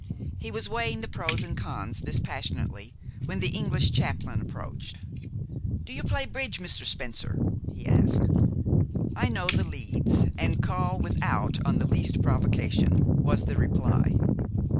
He was weighing the pros and cons dispassionately, when the English chaplain approached. "Do you play bridge, Mr. Spencer?" he asked. "I know the leads, and call 'without' on the least provocation," was the reply.